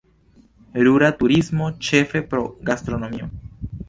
Rura turismo, ĉefe pro gastronomio.